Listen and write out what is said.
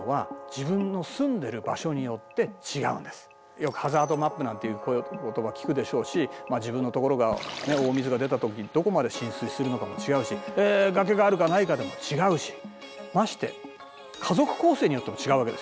よくハザードマップなんていう言葉聞くでしょうし自分のところが大水が出た時どこまで浸水するのかも違うし崖があるかないかで違うしまして家族構成によっても違うわけですよ。